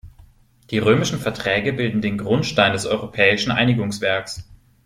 Die Römischen Verträge bilden den Grundstein des europäischen Einigungswerks.